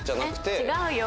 違うよ！